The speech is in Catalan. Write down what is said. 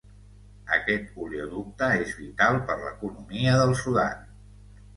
Aquest oleoducte és vital per l'economia del Sudan.